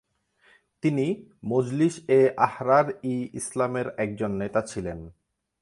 তিনি মজলিস-এ-আহরার-ই-ইসলামের একজন নেতা ছিলেন।